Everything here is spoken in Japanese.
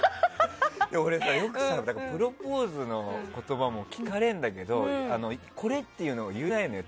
俺、よくプロポーズの言葉も聞かれるんだけどこれっていうのを言えないのよ。